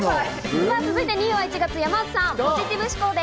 続いて２位は１月、山内さん。